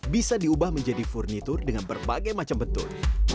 bisa diubah menjadi furnitur dengan berbagai macam bentuk